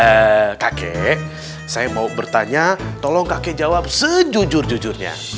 eh kakek saya mau bertanya tolong kakek jawab sejujur jujurnya